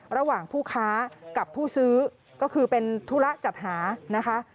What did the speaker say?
ระหว่างผู้ค้ากับผู้ซื้อก็คือเป็นธุระจัดหานะคะ